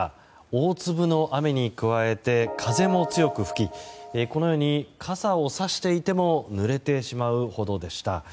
大粒の雨に加えて風も強く吹きこのように、傘をさしていてもぬれてしまうほどでした。